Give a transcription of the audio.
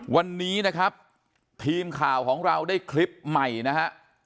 วันนี้นะครับทีมข่าวของเราได้คลิปใหม่นะฮะ